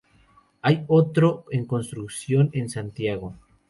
Hay otro en construcción en Santiago.